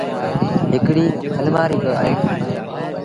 هڪڙيٚ المآريٚ با اهي۔